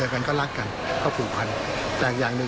ออกกว่าผู้ชายนะ